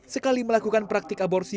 sekali melakukan praktik aborsi